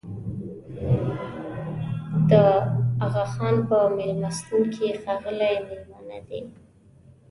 د اغاخان په مېلمستون کې ښاغلي مېلمانه دي.